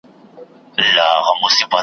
د بوډا پر اوږو غبرګي د لمسیو جنازې دي .